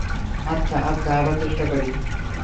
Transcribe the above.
আচ্ছা, আচ্ছা, আবার চেষ্টা করি।